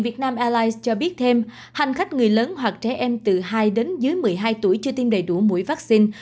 việt nam airlines cho biết thêm hành khách người lớn hoặc trẻ em từ hai đến dưới một mươi hai tuổi chưa tiêm đầy đủ mũi vaccine